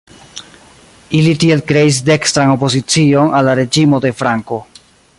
Ili tiel kreis "dekstran opozicion" al la reĝimo de Franko.